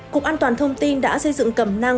cục an toàn thông tin đã xây dựng cẩm năng